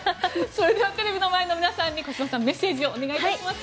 テレビの前の皆さんにメッセージをお願いします。